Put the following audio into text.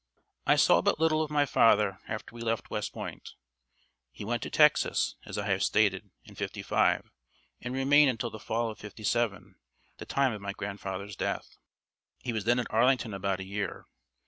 I saw but little of my father after we left West Point. He went to Texas, as I have stated, in '55 and remained until the fall of '57, the time of my grandfather's death. He was then at Arlington about a year.